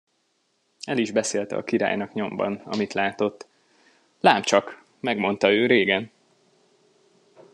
El is beszélte a királynak nyomban, amit látott: lám csak, megmondta ő régen!